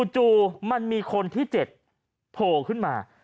จู่มันมีคนที่๗โผล่ขึ้นมา